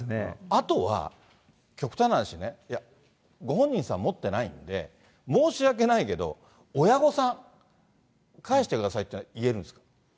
あとは、極端な話ね、ご本人さん持ってないんで、申し訳ないけど、親御さん、返してくださいっていうの、言えるんですか？